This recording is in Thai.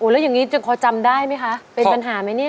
แล้วอย่างนี้จนพอจำได้ไหมคะเป็นปัญหาไหมเนี่ย